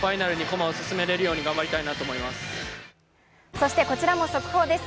そしてこちらも速報です。